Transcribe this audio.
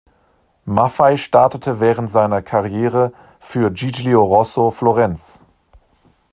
Maffei startete während seiner Karriere für "Giglio Rosso Florenz.